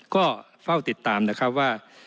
ก็เฝ้าติดตามนะครับว่า